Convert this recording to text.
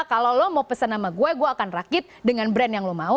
kalau lo mau pesan nama gue gue akan rakit dengan brand yang lo mau